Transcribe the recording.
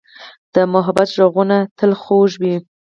د محبت ږغونه تل خوږ وي.